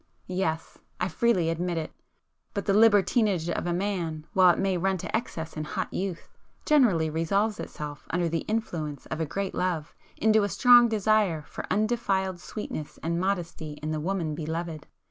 Yes,—I freely admit it,—but the libertinage of a man, while it may run to excess in hot youth, generally resolves itself, under the influence of a great love, into a strong desire for undefiled sweetness and modesty in the woman beloved.